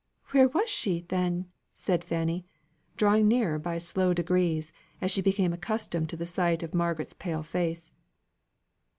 "Where was she then?" said Fanny, drawing nearer by slow degrees, as she became accustomed to the sight of Margaret's pale face.